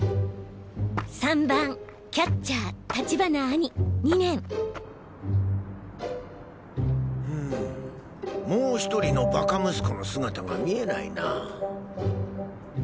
３番キャッチャー立花兄２年んもう１人のバカ息子の姿が見えないな。